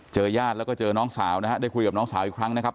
ญาติแล้วก็เจอน้องสาวนะฮะได้คุยกับน้องสาวอีกครั้งนะครับ